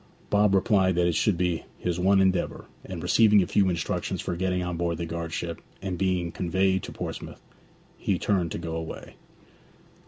Bob replied that it should be his one endeavour; and receiving a few instructions for getting on board the guard ship, and being conveyed to Portsmouth, he turned to go away.